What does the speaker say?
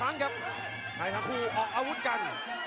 อากอาร์วุธกัน